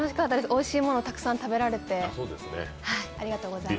おいしいものたくさん食べられて、ありがとうございます。